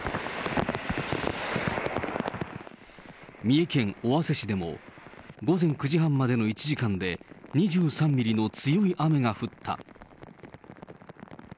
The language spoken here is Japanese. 三重県尾鷲市でも、午前９時半までの１時間で、２３ミリの強い雨が降った。